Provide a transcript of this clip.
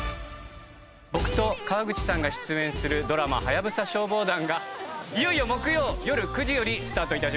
僕と川口さんが出演するドラマ『ハヤブサ消防団』がいよいよ木曜よる９時よりスタートいたします。